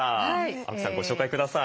青木さんご紹介ください。